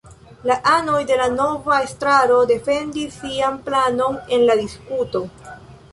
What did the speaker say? La anoj de la nova estraro defendis sian planon en la diskuto.